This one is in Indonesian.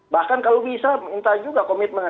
bahkan kalau bisa minta juga komitmennya